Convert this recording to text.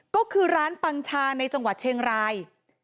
ก็คือร้านปังชาในจังหวัดเชียงราย